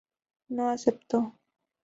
No acepto!!!